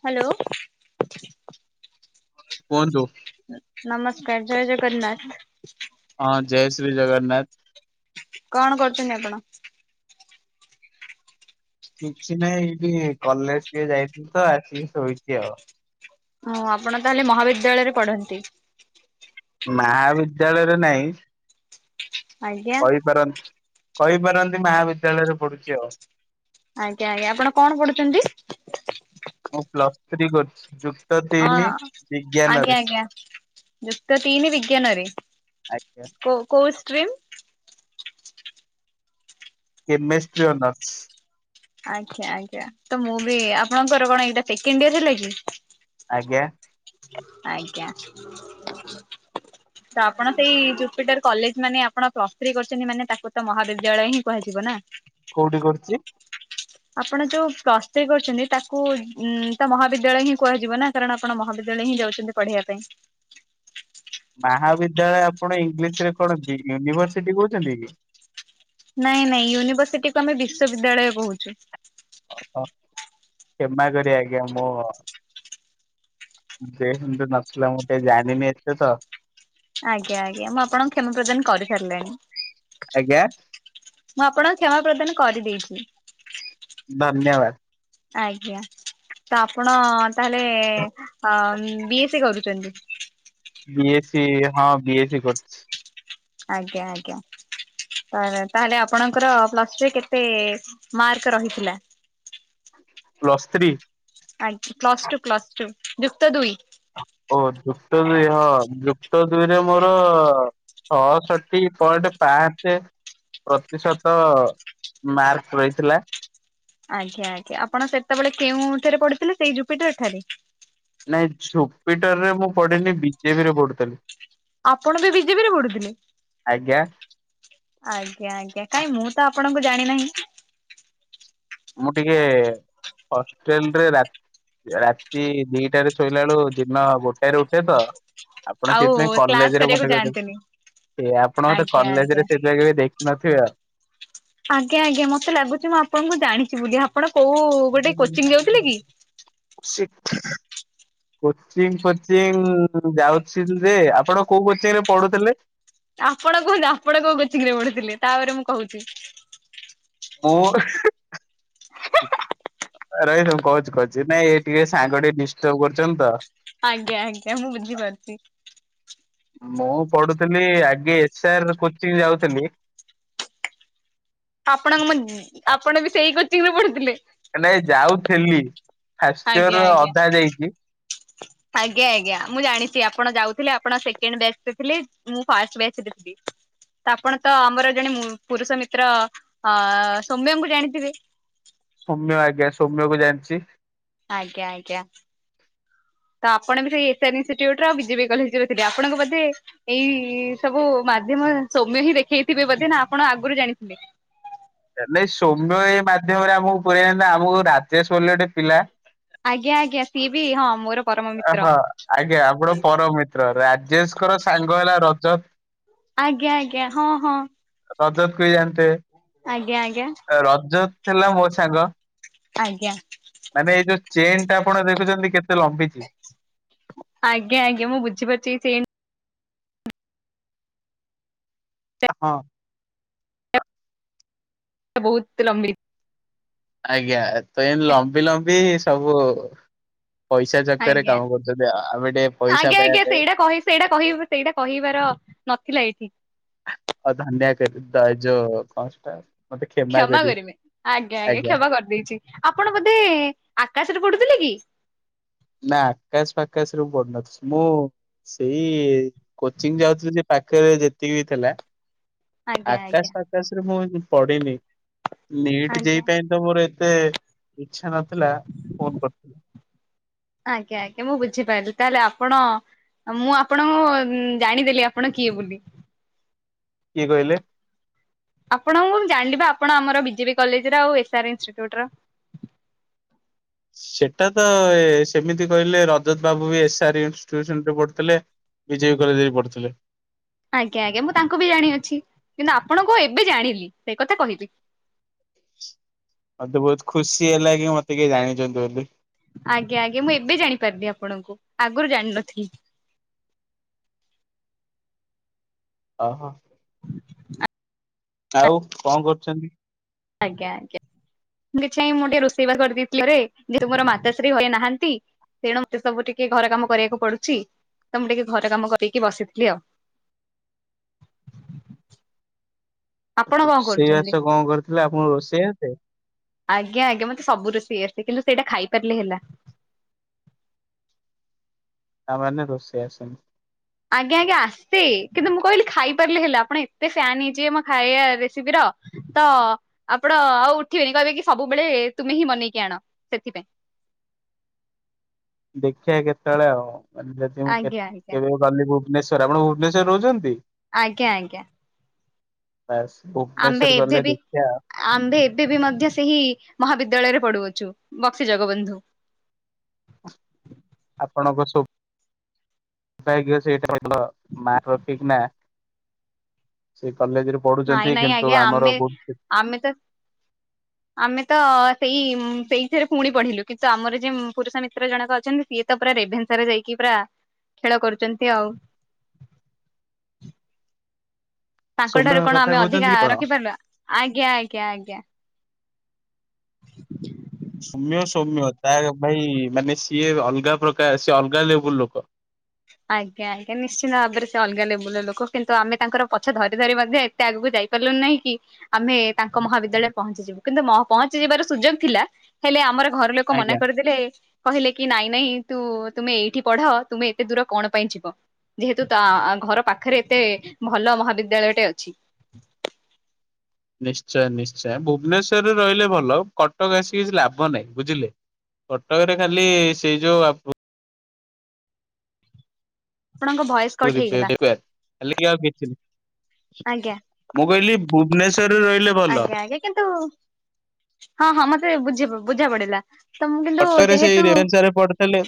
Hello. କୁଅନ୍ତୁ? ନମସ୍କାର ଜୟ ଜଗନ୍ନାଥ। ହଁ ଜୟ ଶ୍ରୀ ଜଗନ୍ନା। କଣ କରୁଚନ୍ତି ଆପଣ? କିଛି ନାହିଁ ଏଇଠି କଲେଜ୍ ଟିକେ ଯାଇଥି ତ ଆସିକି ଶୋଇଚି ଆଉ। ହଁ ଆପଣ ତାହେଲେ ମହାବିଦ୍ୟାଳୟରେ ପଢ଼ନ୍ତି? ମାବିଦ୍ୟାଳୟରେ ନାଇଁ। ଆଜ୍ଞା କହିପାରନ୍ କହିପାରନ୍ତି ମାବିଦ୍ୟାଳୟରେ ପଡୁଚି ଆଉ। ଆଜ୍ଞା ଆଜ୍ଞା ଆପଣ କଣ ପଢୁଚନ୍ତି? ମୁଁ ପ୍ଲସ୍ ଥ୍ରୀ କରୁଚି ଯୁ ହଁ ଆଜ୍ଞା ଆଜ୍ଞା ଯୁକ୍ତ ତିନି ବିଜ୍ଞାନରେ ଆଜ୍ଞା କୋଉ ଷ୍ଟ୍ରିମ୍? Chemistry honours. ଆଜ୍ଞା ଆଜ୍ଞା ତ ମୁଁ ବି ଆପଣଙ୍କର କଣ ଏଇଟା ସେକେଣ୍ଡ୍ ୟର୍ ହେଲା କି? ଆଜ୍ଞା। ଆଜ୍ଞା। ତ ଆପଣ ସେଇ ଜୁପିଟର କଲେଜ ମାନେ ଆପଣ ପ୍ଲସ୍ ଥିରି କରଛନ୍ତି ମାନେ ତାକୁ ତ ମହାବିଦ୍ୟାଳୟ ହିଁ କୁହାଯିବ ନା। କୋଉଠି କରୁଛି? ଆପଣ ଯୋଉ ପ୍ଲସ୍ତ୍ରୀ କରିଛନ୍ତି ତାକୁ ଉଁ ତା ମହାବିଦ୍ୟାଳୟ ହିଁ କୁହାଯିବ ନା। କାରଣ ଆପଣ ମହାବିଦ୍ୟାଳୟ ହିଁ ଯାଉଛନ୍ତି ପଢିବା ପାଇଁ। ମାହାବିଦ୍ୟାଳୟ ଆପଣ ଇଂଲିଶ ରେ କଣ ୟୁନିଭରସିଟି କହୁଛନ୍ତି କି? ନାଇଁ ନାଇଁ ୟୁନିଭର୍ସିଟିକୁୁ ଆମେ ବିଶ୍ୱବିଦ୍ୟାଳୟ କହୁଛୁ। ଓହ କ୍ଷମା କରିବେ ଆଜ୍ଞା ମୁଁ ଯେ ସେନ୍ତ ନଥିଲା ମୋଟେ ଜାଣିନି ଏତେ ତ ଆଜ୍ଞା ଆଜ୍ଞା ମୁଁ ଆପଣଙ୍କୁ କ୍ଷମା ପ୍ରଦାନ କରିସାରିଲେଣି। ଆଜ୍ଞା। ମୁଁ ଆପଣ କ୍ଷମା ପ୍ରଦାନ କରିଦେଇଛି। ଧନ୍ୟବାଦ। ଆଜ୍ଞା। ତ ଆପଣ ତାହେଲେ ଉଁ ବି ଏସ୍ ସି କରୁଚନ୍ତି। ବି ଏସ୍ ସି ହଁ ବି ଏସ୍ ସି କରୁଛି। ଆଜ୍ଞା ଆଜ୍ଞା। ତ ତାହେଲେ ଆପଣଙ୍କର ପ୍ଲସ ଟୁ ରେ କେତେ ମାର୍କ ରହିଥିଲା? Plus three. ଆ ପ୍ଲସ୍ ଟୁ ପ୍ଲସ୍ ଟୁ ଯୁକ୍ତ ଦୁଇ। ଓ ଯୁକ୍ତ ଦୁଇ ହଁ ଯୁକ୍ତ ଦୁଇରେ ମୋର ଛଅଷଠି ପଏଣ୍ଟ ପାଞ୍ଚ ପ୍ରତିଶତ ମାର୍କ ରହିଥିଲା। ଆଜ୍ଞା ଆଜ୍ଞା ଆପଣ ସେତେବେଳେ କେଉଁଠାରେ ପଢୁଥିଲେ ସେଇ ଜୁପିଟର ଠାରେ। ନାଇଁ ଝୁପିଟରରେ ମୁଁ ପଢିନି ବିଜେପିରେ ପଢୁଥେଲି। ଆପଣ ବି ବିଜେପିରେ ପଢୁଥିଲେ। ଆଜ୍ଞା। ଆଜ୍ଞା ଆଜ୍ଞା କାଇଁ ମୁଁ ତ ଆପଣଙ୍କୁ ଜାଣିନାହିଁ। ମୁଁ ଟିକେ ହଷ୍ଟେଲରେ ରାତ ରାତି ଦିଟାରେ ଶୋଇଲା ବେଳୁ ଦିନ ଗୋଟାଏରେ ଉଠେ ତ। ଆପଣ ଆଉ ସେଇଥିପାଇଁ କ୍ଲାସ କଲେଜରେ କରିବାକୁ ମତେ ଯାଆନ୍ତିନି। କେବେ ଆପଣ ମତେ ଆଜ୍ଞା ଆଜ୍ଞା। କଲେଜରେ ସେଥିପାଇଁ କେବେ ଦେଖି ନଥିଆ। ଆଜ୍ଞା ଆଜ୍ଞା ମତେ ଲାଗୁଚି ମୁଁ ଆପଣଙ୍କୁ ଜାଣିଚି ବୋଲି ଆପଣ କୋଉ ଗୋଟେ କୋଚିଂ ଯାଉଥିଲେ କି? ସିଠ୍ [unintelligible] କୋଚିଂ ଫୋଚିଂ ଯାଉଛି ଯେ ଆପଣ କୋଉ କୋଚିଂରେ ପଢୁଥିଲେ? ଆପଣ କୁହନ୍ତୁ ଆପଣ କୋଉ କୋଚିଙ୍ଗିରେ ପଢୁଥିଲେ ତାପରେ ମୁଁ କହୁଚି। ମୁଁ [unintelligible] ରହିଥା ମୁଁ କହୁଚି କହୁଚି ନାଇଁ ଏ ଟିକେ ସାଙ୍ଗ ଟିକେ ଡିଷ୍ଟର୍ବ କରୁଚନ୍ତି ତ। ଆଜ୍ଞା ଆଜ୍ଞା ମୁଁ ବୁଝିପାରୁଚି। ମୁଁ ପଢୁଥିଲି ଆଗେ ଏସ୍ ଆର୍ କୋଚିଂ ଯାଉଥିଲି। ଆପଣଙ୍କ ମୁ ଜ୍ ଆପଣ ବି ସେଇ କୋଚିଂରେ ପଢୁଥିଲେ। ଏ ନାଇଁ ଯାଉଥିଲି। ଫାଷ୍ଟ ଇୟର ଆଜ୍ଞା ଆଜ୍ଞା। ଅଧା ଯାଇଛି। ଆଜ୍ଞା ଆଜ୍ଞା ମୁଁ ଜାଣିଚି ଆପଣ ଯାଉଥିଲେ ଆପଣ ସେକେଣ୍ଡ ବ୍ୟାଚରେ ଥିଲେ। ମୁଁ ଫାଷ୍ଟ ବ୍ୟାଚରେ ଥିଲି। ଆପଣ ତ ଆମର ଜଣେ ଉଁ ପୁରୁଷ ମିତ୍ର ଅ ସୌମ୍ୟଙ୍କୁ ଜାଣିଥିବେ। ସୌମ୍ୟ ଆଜ୍ଞା ସୌମ୍ୟକୁ ଜାଣିଚି। ଆଜ୍ଞା ଆଜ୍ଞା। ତ ଆପଣ ବି ସେଇ ଏସ୍ ଆର୍ ଇନଷ୍ଟିଟ୍ୟୁଟର ବିଜେପି କଲେଜରେ ଥିଲେ ଆପଣଙ୍କୁ ବୋଧେ ଏଇ ସବୁ ମାଧ୍ୟମ ସୌମ୍ୟ ହିଁ ଦେଖେଇଥିବେ ବୋଧେ ନା ଆପଣ ଆଗରୁ ଜାଣିଥିଲେ। ନାଇଁ ସୌମ୍ୟ ଏ ମାଧ୍ୟମରେ ଆମକୁ ପୁରେଇ ନା ଆମକୁ ରାଜେଶ ବୋଲି ଗୋଟେ ପିଲା ଆଜ୍ଞା ଆଜ୍ଞା। ସିଏ ବି ହଁ ମୋର ପରମ ହଁ ମିତ୍ର। ଆଜ୍ଞା ଆପଣଙ୍କ ପରମ ମିତ୍ର, ରାଜେଶଙ୍କର ସାଙ୍ଗ ହେଲା ରଜତ। ଆଜ୍ଞା ଆଜ୍ଞା ହଁ ହଁ। ରଜତକୁ ବି ଆଜ୍ଞା ଆଜ୍ଞା ଜାଣିଥିବେ। ରଜତ ଥିଲା ମୋ ସାଙ୍ଗ। ଆଜ୍ଞା। ମାନେ ଏଇ ଯୋଉ ଚେନଟା ଆପଣ ଦେଖୁଛନ୍ତି କେତେ ଲମ୍ବି ଆଜ୍ଞା ଆଜ୍ଞା ମୁଁ ବୁଝିପାରୁଚି ଏଇ ଚେନ। ହଁ। ବହୁତ ଲମ୍ବି ଆଜ୍ଞା ଚେନ ଲମ୍ବି ଲମ୍ବି ସବୁ ପଇସା ଚକରେ ଆଜ୍ଞା। କାମ କରୁଛନ୍ତି। ଆ ଆମେ ଟିକେ ପଇସା ଆଜ୍ଞା ପାଇବା ଆଜ୍ଞା ପାଇଁ ସେଇଟା କହି ସେଇଟା କହିବ ସେଇଟା କହିବାର ନଥିଲା ଏଇଠି। ଆଉ ଧନ୍ୟ କରି ଦ ଯ କଣ ସେଟା? କ୍ଷମା କରିବେ। ଆଜ୍ଞା ଆଜ୍ଞା କ୍ଷମା କରିଦେଇଛି। ଆପଣ ବୋଧେ ଆକାଶରେ ପଢୁଥିଲେ କି? ନା ଆକାଶ ଫାକାଶ ରେ ପଢୁ ନ [unintelligible] ମୁଁ ସେଇ କୋଚିଂ ଯାଉଥିଲି ଯେ ପାଖରେ ଯେତିକି ବି ଥିଲା। ଆଜ୍ଞା ଆଜ୍ଞା ଆକାଶ ଫାକାଶ ରେ ମୁଁ ଏମତି ପଢ଼ିନି। ନିଟ୍ ଆଜ୍ଞା ଯେଇ ପାଇଁ ତେ ମୋର ଏତେ ଇଚ୍ଛା ନଥିଲା, ଫୋନ କରିଥିଲି। ଆଜ୍ଞା ଆଜ୍ଞା ମୁଁ ବୁଝିପାରିଲି, ତାହେଲେ ଆପଣ ମୁଁ ଆପଣଙ୍କୁ ଉମ ଜାଣିଦେଲି ଆପଣ କିଏ ବୋଲି? କିଏ କହିଲେ? ଆପଣଙ୍କୁ ମୁଁ ଜାଣିଲି ବା ଆପଣ ଆମର ବିଜେପି କଲେଜ ର ଆଉ ଏସ୍ ଆର ଇନଷ୍ଟିଚ୍ୟୁଟର। ସେଟା ତ ଏ ସେମିତି କହିଲେ ରଜତ ବାବୁ ବି ଏସ୍ ଆର ଇନଷ୍ଟିଚ୍ୟୁସନ ରେ ପଢୁଥିଲେ। ବିଜେପି କଲେଜ ରେ ପଢ଼ୁଥିଲେ। ଆଜ୍ଞା ଆଜ୍ଞା ମୁଁ ତାଙ୍କୁ ବି ଜାଣିଅଛି। କିନ୍ତୁ ଆପଣଙ୍କୁ ଏବେ ଜାଣିଲି। ସେଇ କଥା କହିଲି। ମତେ ବହୁତ ଖୁସି ହେଲା କି ମତେ କିଏ ଜାଣିଛନ୍ତି ବୋଲି। ଆଜ୍ଞା ଆଜ୍ଞା ମୁଁ ଏବେ ଜାଣିପାରିଲି ଆପଣଙ୍କୁ ଆଗରୁ ଜାଣିନଥିଲି। ଅହଁ। ଆଉ କଣ କରୁଛନ୍ତି? ଆଜ୍ଞା ଆଜ୍ଞା। କିଛି ନାଇଁ ମୁଁ ଟିକେ ରୋଷେଇବା କରିଦେଇଥିଲି ଘରେ। ଯେହେତୁ ମୋର ମାତାଶ୍ରୀ ଘରେ ନାହାନ୍ତି। ତେଣୁ ମତେ ସବୁ ଟିକେ ଘର କାମ କରିବାକୁ ପଡୁଛି। ତ ମୁଁ ଟିକେ ଘର କାମ କରକି ବସିଥିଲି ଆଉ। ଆପଣ କଣ କରୁଛନ୍ତି? ରୋଷେଇବାସ କଣ କରିଥିଲେ? ଆପଣଙ୍କୁ ରୋଷେଇ ଆସେ? ଆଜ୍ଞା ଆଜ୍ଞା ମତେ ସବୁ ରୋଷେଇ ଆସେ। କିନ୍ତୁ ସେଟା ଖାଇପାରିଲେ ହେଲା। ତାମାନେ ରୋଷେଇ ଆସେନି? ଆଜ୍ଞା ଆଜ୍ଞା ଆସେ। କିନ୍ତୁ ମୁଁ କହିଲି ଖାଇ ପାରିଲେ ହେଲା। ଆପଣ ଏତେ ଫ୍ୟାନ ହେଇଯିବେ ମୋ ଖାଇବା ରେସିପିର। ତ ଆପଣ ଆଉ ଉଠିବେନି କହିବେ କି ସବୁବେଳେ ତୁମେ ହିଁ ବନେଇକି ଆଣ ସେଥିପାଇଁ। ଦେଖିବା କେତେବେଳେ ଆଉ ଯଦି ମୁଁ କେ ଆଜ୍ଞା ଆଜ୍ଞା କେବେ ଗଲି ଭୁବନେଶ୍ଵର। ଆପଣ ଭୁବନେଶ୍ୱରରେ ରହୁଛନ୍ତି? ଆଜ୍ଞା ଆଜ୍ଞା। ବାସ୍ ଆମ୍ଭେ ଭୁବନେଶ୍ଵର ଏବେ ଗଲେ ବି ଦେଖିବା। ଆମ୍ଭେ ଏବେ ବି ମଧ୍ୟ ସେହି ମହାବିଦ୍ୟାଳୟରେ ପଢୁଅଛୁ, ବକ୍ସି ଜଗବନ୍ଧୁ। ଆପଣଙ୍କ ସୋ ଭାଗ୍ୟ ସେଇ ଟାଇପ୍ ର ମାର୍କ ରଖିକିନା ସେଇ କଲେଜରେ ନାଇଁ ପଢୁଛନ୍ତି ନାଇଁ କିନ୍ତୁ ଆଜ୍ଞା ଆମର ଆମେ ବହୁ ଆମେ ତ ଆମେ ତ ସେଇ ସେଇଥିରେ ପୁଣି ପଢିଲୁ କିନ୍ତୁ ଆମର ଯିଏ ପୁରୁଷ ମିତ୍ର ଜଣକ ଅଛନ୍ତି ସିଏ ତ ପୁରା ରେଭେନ୍ସରା ରେ ଯାଇକି ପୁରା ଖେଳ କରୁଛନ୍ତି ଆଉ। ତାଙ୍କ ସୌମ୍ୟ ଠାରୁ କଣ କଥା ଆମେ ଅଧିକା କହୁଛନ୍ତି କି କଣ? ରଖି ପାରିଲୁ, ଆଜ୍ଞା, ଆଜ୍ଞା, ଆଜ୍ଞା। ସୌମ୍ୟ ସୌମ୍ୟ ତା ଭାଇ ମାନେ ସିଏ ଅଲଗା ପ୍ରକାର ସିଏ ଅଲଗା ଲେବୁଲ ଲୋକ। ଆଜ୍ଞା, ଆଜ୍ଞା ନିଶ୍ଚିିତ ଭାବରେ ସେ ଅଲଗା ଲେବୁଲର ଲୋକ କିନ୍ତୁ ଆମେ ତାଙ୍କର ପଛ ଧରି ଧରି ମଧ୍ୟ ଏତେ ଆଗକୁ ଯାଇ ପାରିଲୁ ନାହିଁ କି ଆମେ ତାଙ୍କ ମହାବିଦ୍ୟାଳୟରେ ପହଞ୍ଚିଯିବୁ, କିନ୍ତୁ ପହଞ୍ଚିଯିବାର ସୁଯୋଗ ଥିଲା। ହେଲେ ଆମର ଘର ଲୋକ ମନା ଆଜ୍ଞା। କରିଦେଲେ କହିଲେ କି ନାଇଁ ନାଇଁ ତୁ ତୁମେ ଏଇଠି ପଢ ତୁମେ ଏତେ ଦୂର କଣ ପାଇଁ ଯିବ, ଯେହେତୁ ତା ଘର ପାଖରେ ଏତେ ଭଲ ମହାବିଦ୍ୟାଳୟଟେ ଅଛି। ନିଶ୍ଚୟ, ନିଶ୍ଚୟ ଭୁବନେଶ୍ଵରରେ ରହିଲେ ଭଲ କଟକ ଆସିକି କିଛି ଲାଭ ନାହିଁ ବୁଝିଲେ। କଟକରେ ଖାଲି ସେଇ ଯୋଉ ବା ପୁ ଆପଣଙ୍କ ଭୟସ ପୁରୀ [unintelligible] ଆଲେ ଆଉ ମୁଁ ଆଜ୍ଞା। କହିଲି ଭୁବନେଶ୍ବରେ ରହିଲେ ଭଲ ଆଜ୍ଞା ଆଜ୍ଞା କିନ୍ତୁ ହଁ ହଁ ମତେ ବୁଝି ବୁଝା ପଡିଲା। ତମକୁ କିନ୍ତୁ ଯେହେତୁ ସେ ପଢ଼ିଥିଲେ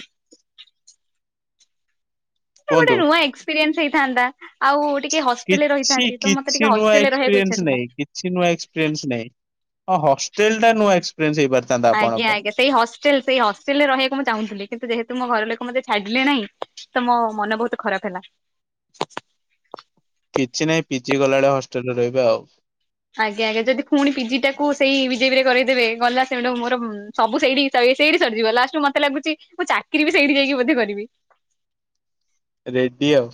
ଗୋଟେ କୁହନ୍ତୁ। ନୂଆ ଏକ୍ସପିରିଏନ୍ସ ହେଇଥାନ୍ତା ଆଉ ଟି କି ହଷ୍ଟେଲରେ କିଛି ରହିଥାନ୍ତି ମୋତେ କିଛି ଟିକେ ନୂଆ ହଷ୍ଟେଲରେ ରହିବାକୁ ଏକ୍ସପିରିଏନ୍ସ ଇଚ୍ଛା ଥିଲା। ନାହିଁ କିଛି ନୂଆ ଏକ୍ସପିରିଏନ୍ସ ନାଇଁଁ ହଷ୍ଟେଲ ଟା ନୂଆ ଏକ୍ସପିରିଏନ୍ସ ହେଇପାରେ ଆଜ୍ଞା ଆଜ୍ଞା ସେଇ ହଷ୍ଟେଲ ସେଇ ହଷ୍ଟେଲରେ ରହିବାକୁ ମୁଁ ଚାହୁଁଥିଲି କିନ୍ତୁ ଯେହେତୁ ମୋ ଘର ଲୋକ ମତେ ଛାଡ଼ିଲେ ନାହିଁ। ତ ମୋ ମନ ବହୁତ ଖରାପ ହେଲା। କିଛି ନାହିଁ ପିଜି କଲାବେଳେ ହଷ୍ଟେଲରେ ରହିବି ଆଉ। ଆଜ୍ଞା ଆଜ୍ଞା ଯଦି ପୁଣି ପିଜି ଟାକୁ ସେଇ ବିଜେପି ରେ କରେଇଦେବେ ଗଲା ସେଇଠୁ ମୋର ସବୁ ସେଇଠି ସେଇଠି ସରିଯିବ ଲାଷ୍ଟ କୁ ମତେ ଲାଗୁଛି ମୁଁ ଚାକିରି ବି ସେଇଠି ଯାଇକି କରିବି। ରେଡ୍ଡି ଆଉ।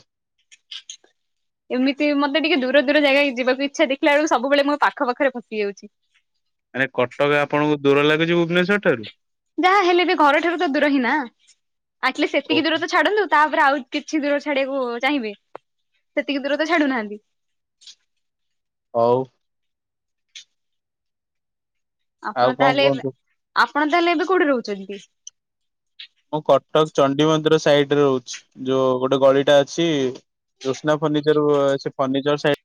ଏମିତି ମତେ ଟିକେ ଦୂର ଦୂର ଜାଗା ଯିବାକୁ ଇଚ୍ଛା ଦେଖିଲାବେଳକୁ ସବୁବେଳେ ମୋ ପାଖ ପାଖରେ ଫସିଯାଉଛି। ଆରେ କଟକ ଆପଣଙ୍କୁ ଦୂର ଲାଗୁଛି ଭୁବନେଶ୍ଵର ଠାରୁ? ଯାହା ହେଲେ ବି ଘର ଠାରୁ ତ ଦୂର ହିଁ ନା ଆଟଲିଷ୍ଟ ସେତିକି ଓହୋ। ଦୂର ତ ଛାଡନ୍ତୁ। ତାପରେ ଆଉ କିଛି ଦୂର ଛାଡିବାକୁ ଚାହିଁବେ ସେତିକି ଦୂର ତ ଛାଡୁନାହାନ୍ତି। ହଉ। ଆଉ ଆପଣ କଣ ତାହେଲେ ଏବେ କୁହନ୍ତୁ? ଆପଣ ତାହେଲେ ଏବେ କୋଉଠି ରହୁଛନ୍ତି? ମୁଁ କଟକ ଚଣ୍ଡିମନ୍ଦିର ସାଇଟିରେ ରହୁଛି। ଯୋଉ ଗୋଟେ ଗଳିଟା ଅଛି। ଜୋନ୍ସା ଫନିର୍ଚର ଫନିର୍ଚର ସାଇଟି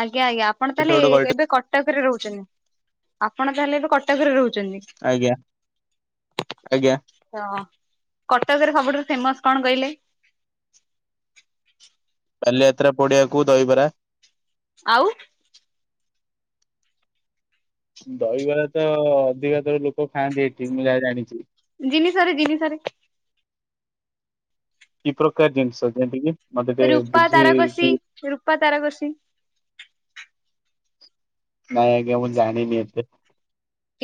ଆଜ୍ଞା ଆଜ୍ଞା ଆପଣ ତାହେଲେ ଗୋଟେ ଗଳିଟେ ଏବେ କ ଟକରେ ରହୁଛନ୍ତି ଆପଣ ତାହେଲେ ଏବେ କଟକରେ ରହୁଛନ୍ତି। ଆଜ୍ଞା ଆଜ୍ଞା। କଟକରେ ସବୁଠୁ ଫେମସ କଣ କହିଲେ? ବାଲି ଯାତ୍ରା ପଡିିଆକୁ ଦହିବରା। ଆଉ ଦହିବରା ତ ଅଧିକାଥର ଲୋକ ଖାଆନ୍ତି ଏଠି ମୁଁ ଯାହା ଜାଣିଛି। ଜିନିଷରେ ଜିନିଷରେ କି ପ୍ରକାର ଜିନିଷ ଯେମିତି କିି ମତେ ରୂପା ତାରକସି ବୁଝେଇକୀ ରୂପା ତାରକସି ନାଇଁ ଆଜ୍ଞା ମୁଁ ଜାଣିନି ଏତେ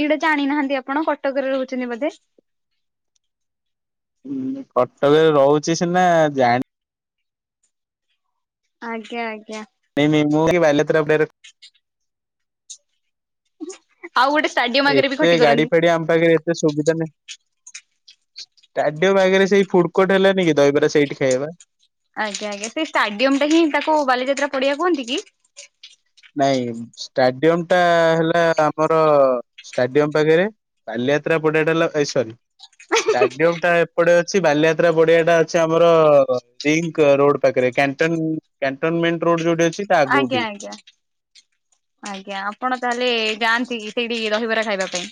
ଏଇଟା ଜାଣିନାହାନ୍ତି ଆପଣ କଟକରେ ରହୁଛନ୍ତି ବୋଧେ? କଟକରେ ରହୁଛି ସିନା ଜାଣି ଆଜ୍ଞା ଆଜ୍ଞା। ନାଇଁ ମ୍ୟାମ୍ ମୁଁ ଏଇ ବାଲିଯାତ୍ରା ପଡି ଆଉ ଗୋଟେ ଷ୍ଟାଡିୟମ ଆଗରେ ବି ଏତେ ଖଟି ଗାଡି କରନ୍ତି। ଫାଡି ଆମ ପାଖରେ ଏତେ ସୁବିଧା ନାହିଁ। ଷ୍ଟାଡି ବାଗରେ ସେଇ ଫୁଡକୋଟ୍ ହେଲାନି କି ଦହିବରା ସେଇଠି ଖାଇବା। ଆଜ୍ଞା ଆଜ୍ଞା ସେ ଷ୍ଟାଡିୟମ ଟା ହିଁ ତାକୁ ବାଲିଯାତ୍ରା ପଡିଆ କୁହନ୍ତି କି? ନାଇଁ ଷ୍ଟାଡିୟମ ଟା ହେଲା ଆମର ଷ୍ଟାଡିୟମ ପାଖରେ ବାଲିଯାତ୍ରା ପଡିଆଟା ହେଲା ଏ ସରି ଷ୍ଟାଡିୟମ ଟା ଏପଟେ ଅଛି ବାଲିଯାତ୍ରା ପଡିଆ ଟା ଅଛି ଆମର-ଅ-ଅ-ଅ ରିଙ୍କ ରୋଡ ପାଖରେ କ୍ୟା ଣ୍ଟନ କ୍ୟାଣ୍ଟୋନମେଣ୍ଟ ରୋଡ ଯଉଠି ଅଛି। ତା ଆଗକୁ ଆଜ୍ଞା ଟିକେ ଆଜ୍ଞା। ଆଜ୍ଞା ଆପଣ ତାହେଲେ-ଏ-ଏ ଯାଆନ୍ତି କି ସେଇଠି ଦହିବରା ଖାଇବା ପାଇଁ?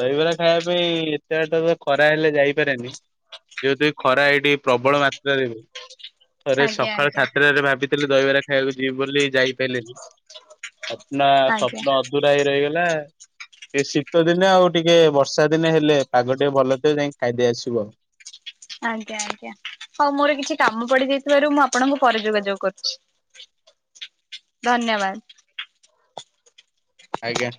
ଦହିବରା ଖାଇବା ପାଇଁ ଏତେ ବାଟ ଅ ଖରା ହେଲେ ଯାଇପାରେନି। ଯେହେତୁ ଏ ଖରା ଏଇଠି ପ୍ରବଳ ମାତ୍ରାରେ। ଥରେ ଆଜ୍ଞା ସକାଳ ଆଜ୍ଞା ସାତଟାରେ ଭାବିଥିଲେ ଦହିବରା ଖାଇବାକୁ ଯିବି ବୋଲି ଯାଇପାଇଲିନି। ସ୍ୱପ୍ନ ଆଜ୍ଞା ସ୍ୱପ୍ନ ଅଧୁରା ହେଇ ରହିଗଲା। ଏ ଶୀତ ଦିନେ ଆଉ ଟିକେ ବର୍ଷା ଦିନେ ହେଲେ ପାଗ ଟିକେ ଭଲ ଥିବ ଯାଇକି ଖାଇଦେଇ ଆସିବୁ ଆଉ। ଆଜ୍ଞା ଆଜ୍ଞା ହଉ ମୋର କିଛି କାମ ପଡିଯାଇଥିବାରୁ ମୁଁ ଆପଣଙ୍କୁ ପରେ ଯୋଗାଯୋଗ କରୁଛି। ଧନ୍ୟବାଦ। ଆଜ୍ଞା।